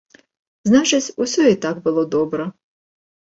Значыць, усё і так было добра.